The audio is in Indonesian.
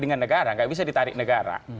dengan negara nggak bisa ditarik negara